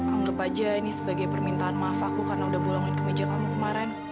anggep aja ini sebagai permintaan maaf aku karena udah bulongin kemeja kamu kemarin